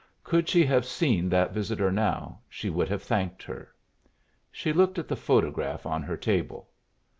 Could she have seen that visitor now, she would have thanked her. She looked at the photograph on her table.